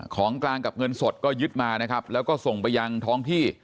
ของกลางกับเงินสดก็ยึดมานะครับแล้วก็ส่งไปยังท้องที่